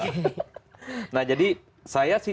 nah jadi saya sih selalu ingin mengatakan ini ya mbak adi